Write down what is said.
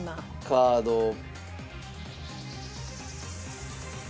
カードを。